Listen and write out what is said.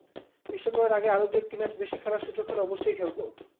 বিশ্বকাপের আগে আরও দু-একটি ম্যাচ বেশি খেলার সুযোগ হলে অবশ্যই খেলব।